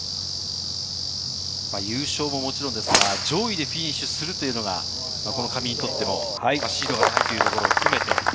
優勝ももちろんですが、上位でフィニッシュするというのが上井にとってもシードがかかることも含めて。